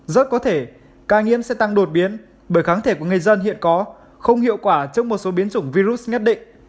rất có thể ca nhiễm sẽ tăng đột biến bởi kháng thể của người dân hiện có không hiệu quả trước một số biến chủng virus nhất định